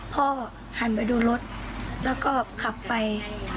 พ่อหันไปดูรถแล้วก็ขับไป